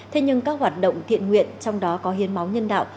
thế nhưng các hoạt động thiện nguyện trong đó có hiến máu nhân đạo